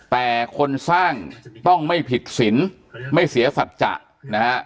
แต่คนสร้างต้องไม่ผิดศิลป์ไม่เสียสัจจะนะฮะ